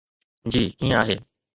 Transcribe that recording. جي ائين آهي.